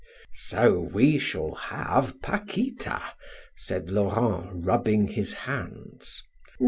"So, we shall have Paquita!" said Laurent, rubbing his hands.